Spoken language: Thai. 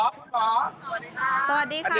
คุณหมอสวัสดีค่ะ